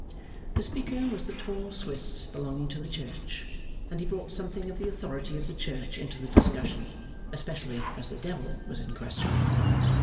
The speaker was the tall Swiss belonging to the church, and he brought something of the authority of the church into the discussion especially as the devil was in question.